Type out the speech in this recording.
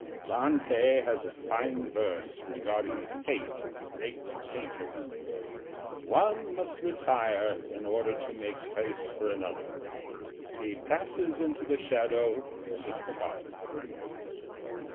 Dante has a fine verse regarding the fate of the great painters: one must retire in order to make place for another; he passes into the shadow and is forgotten.